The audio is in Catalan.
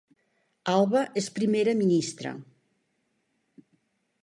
Alba és primera ministra